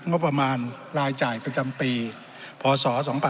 งบประมาณรายจ่ายประจำปีพศ๒๕๖๒